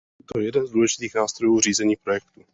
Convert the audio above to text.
Je to jeden z důležitých nástrojů řízení projektů.